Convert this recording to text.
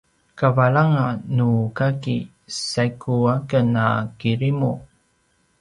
kavalanga nukaki saigu aken a kirimu